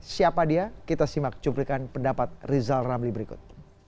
siapa dia kita simak cuplikan pendapat rizal ramli berikut